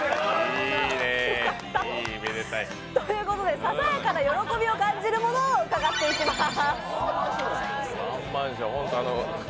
ということで、ささやかな喜びを感じるものを伺っていきます。